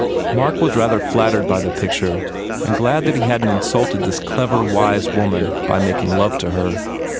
Mark was rather flattered by the picture and glad that he hadn t insulted this clever, wise woman by making love to her.